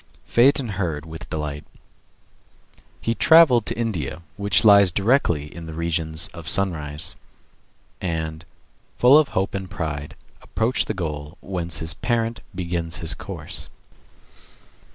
Phaeton heard with delight. He travelled to India, which lies directly in the regions of sunrise; and, full of hope and pride, approached the goal whence his parent begins his course.